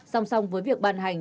song song với việc bàn hành